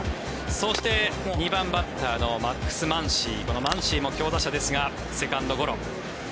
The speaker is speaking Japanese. そして２番バッターのマックス・マンシーこのマンシーも強打者ですがセカンドゴロ。